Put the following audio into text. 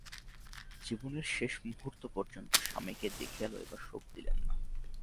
জীবনের শেষমুহূর্ত পর্যন্ত স্বামীকে দেখিয়া লইবার সুখ দিলেন না।